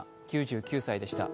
９９歳でした。